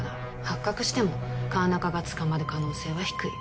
発覚しても川中が捕まる可能性は低い